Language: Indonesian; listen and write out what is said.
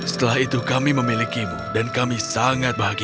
setelah itu kami memilikimu dan kami sangat bahagia